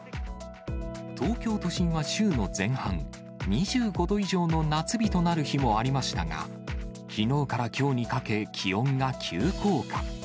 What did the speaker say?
東京都心は週の前半、２５度以上の夏日となる日もありましたが、きのうからきょうにかけ、気温が急降下。